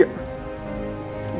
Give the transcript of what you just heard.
gak mau merawat nino